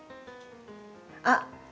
あっ！